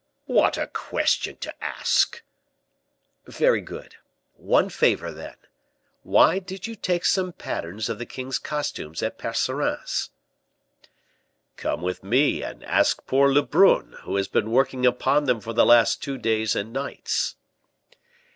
"What a question to ask!" "Very good. One favor, then. Why did you take some patterns of the king's costumes at Percerin's?" "Come with me and ask poor Lebrun, who has been working upon them for the last two days and nights."